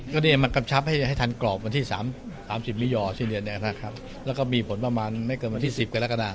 ก็เนี่ยมากำชับให้ทันกรอบวันที่๓๐มียอที่เดี๋ยวนะครับแล้วก็มีผลประมาณไม่เกินวันที่๑๐กันแล้วกันนะครับ